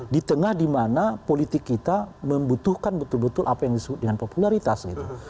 di tengah dimana politik kita membutuhkan betul betul apa yang disebut dengan popularitas gitu